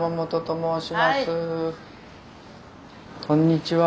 こんにちは。